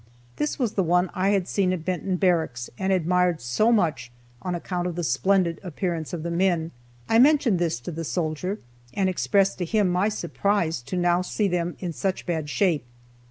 This was the one I had seen at Benton Barracks and admired so much on account of the splendid appearance of the men. I mentioned this to the soldier, and expressed to him my surprise to now see them in such bad shape.